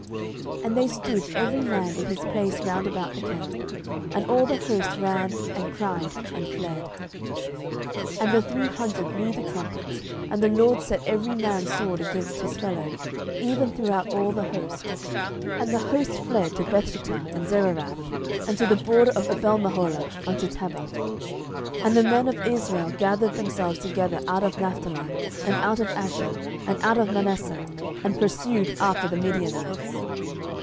07:007:021 And they stood every man in his place round about the camp; and all the host ran, and cried, and fled. 07:007:022 And the three hundred blew the trumpets, and the LORD set every man's sword against his fellow, even throughout all the host: and the host fled to Bethshittah in Zererath, and to the border of Abelmeholah, unto Tabbath. 07:007:023 And the men of Israel gathered themselves together out of Naphtali, and out of Asher, and out of all Manasseh, and pursued after the Midianites.